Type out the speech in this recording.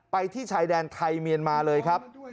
ที่ชายแดนไทยเมียนมาเลยครับ